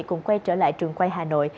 cùng quay trở lại trường quay hà nội